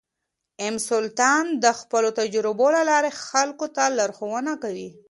ام سلطان د خپلو تجربو له لارې خلکو ته لارښوونه کوي.